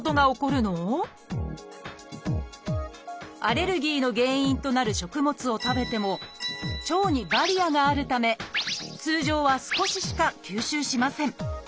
アレルギーの原因となる食物を食べても腸にバリアがあるため通常は少ししか吸収しません。